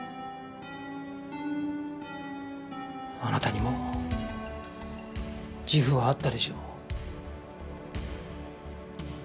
あなたにも自負はあったでしょう。